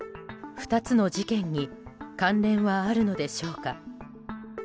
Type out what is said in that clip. ２つの事件に関連はあるのでしょうか。